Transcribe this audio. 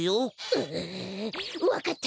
ううわかった！